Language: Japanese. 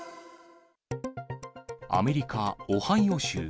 アメリカ・オハイオ州。